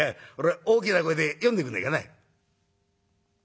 大きな声で読んでくんねえかな」。